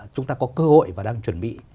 chúng ta có cơ hội và đang chuẩn bị